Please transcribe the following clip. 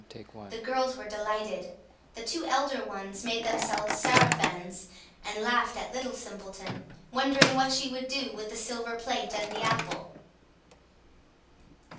The girls were delighted; the two elder ones made themselves sarafans, and laughed at Little Simpleton, wondering what she would do with the silver plate and the apple.